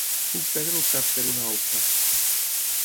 Puc perdre el cap per una auca.